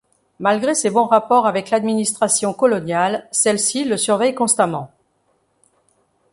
Malgré ses bons rapports avec l'administration coloniale, celle-ci le surveille constamment.